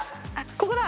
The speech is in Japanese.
ここだ。